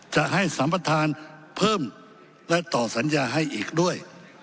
จะให้สัมประธานเพิ่มและต่อสัญญาให้อีกด้วย